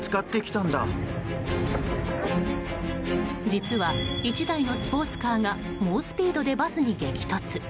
実は、１台のスポーツカーが猛スピードでバスに激突。